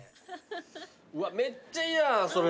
うわめっちゃいいやんそれ。